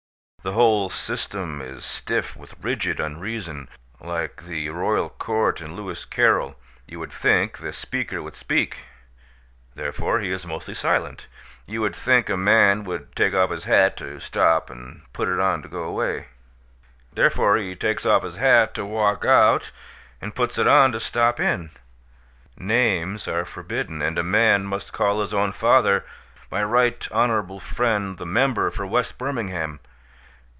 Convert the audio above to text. The whole system is stiff with rigid unreason; like the Royal Court in Lewis Carroll. You would think the Speaker would speak; therefore he is mostly silent. You would think a man would take off his hat to stop and put it on to go away; therefore he takes off his hat to walk out and puts it on to stop in. Names are forbidden, and a man must call his own father "my right honorable friend the member for West Birmingham."